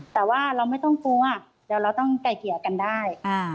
แต่ว่าเราไม่ต้องกลัวเราต้องไก่เกียร์กันได้